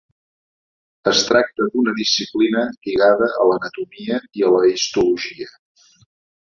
Es tracta d'una disciplina lligada a l'anatomia i a la histologia.